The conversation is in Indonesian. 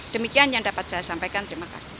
demikian yang dapat saya sampaikan terima kasih